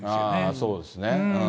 そうですね。